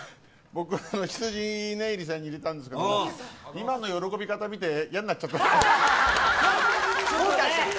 ひつじねいりさんに入れたんですけど今の喜び方を見て嫌になっちゃった。